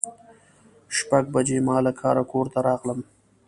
شپږ بجې ما له کاره کور ته راغلم.